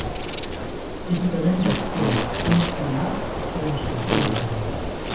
Típicament l'esquema unifilar té una estructura d'arbre.